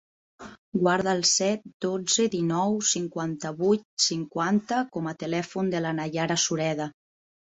Guarda el set, dotze, dinou, cinquanta-vuit, cinquanta com a telèfon de la Naiara Sureda.